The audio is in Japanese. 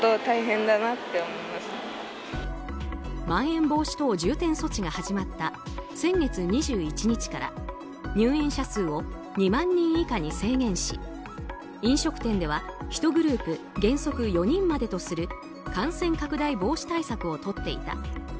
まん延防止等重点措置が始まった先月２１日から入園者数を２万人以下に制限し飲食店では１グループ原則４人までとする感染拡大防止対策をとっていた。